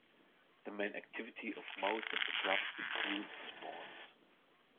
The main activity of most of the clubs is youth sports.